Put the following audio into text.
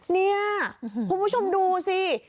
นี่คุณผู้ชมดูสิ